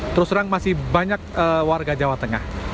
terus terang masih banyak warga jawa tengah